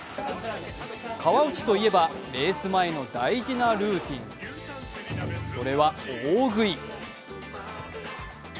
川内といえば、レース前の大事なルーティン、それは、大食い。